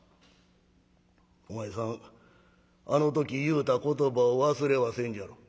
お前さんあの時言うた言葉を忘れはせんじゃろ。